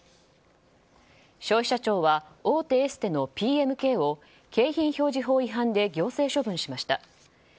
消費者庁は大手エステのＰＭＫを景品表示法違反で行政処分しました。